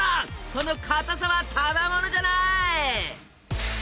そのかたさはただものじゃない！